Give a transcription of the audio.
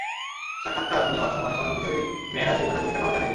সাক্ষাৎকার নেওয়ার সময় স্বর্ণ কিশোরীর মেয়েরা সেই কথা পরিষ্কারভাবে জানিয়ে দিল।